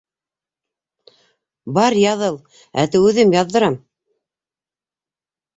Бар, яҙыл, әтү үҙем яҙҙырам.